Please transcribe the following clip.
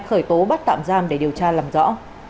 khởi tố bắt tạm giam để điều tra làm rõ